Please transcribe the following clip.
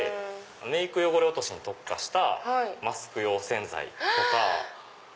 メイク汚れ落としに特化したマスク用洗剤とか。